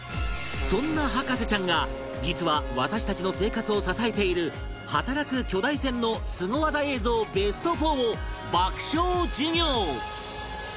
そんな博士ちゃんが実は私たちの生活を支えている働く巨大船のスゴ技映像ベスト４を爆笑授業！